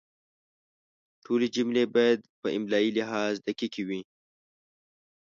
ټولې جملې باید په املایي لحاظ دقیقې وي.